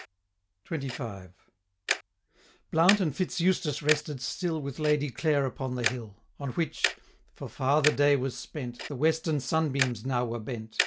XXV. Blount and Fitz Eustace rested still 735 With Lady Clare upon the hill; On which, (for far the day was spent,) The western sunbeams now were bent.